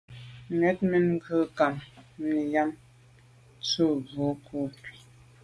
Wut mèn ghù nkam mi yàme tu, wut, mbu boa nku.